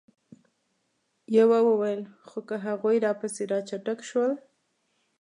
يوه وويل: خو که هغوی راپسې را چټک شول؟